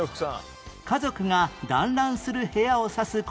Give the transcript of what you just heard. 家族が団らんする部屋を指す言葉が付く